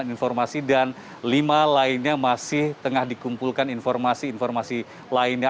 delapan informasi dan lima lainnya masih tengah dikumpulkan informasi informasi lainnya